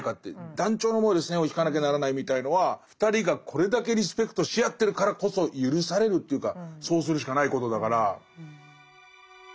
断腸の思いで線を引かなきゃならないみたいのは２人がこれだけリスペクトし合ってるからこそ許されるというかそうするしかないことだから。